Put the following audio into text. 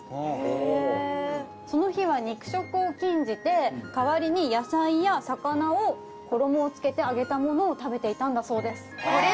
その日は肉食を禁じて代わりに野菜や魚を衣をつけて揚げたものを食べていたんだそうです。